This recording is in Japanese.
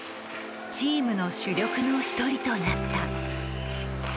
チームの主力の一人となった。